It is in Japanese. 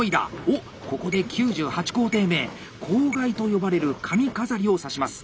おっここで９８工程目笄と呼ばれる髪飾りを挿します。